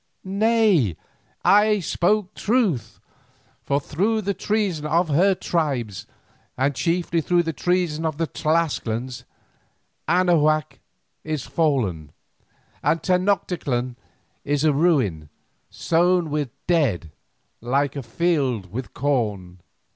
Nay, I spoke truth, for through the treason of her tribes, and chiefly through the treason of the Tlascalans, Anahuac is fallen, and Tenoctitlan is a ruin sown with dead like a field with corn."